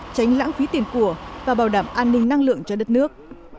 tránh lãng phí tiền của và bảo đảm an ninh năng lượng cho đất nước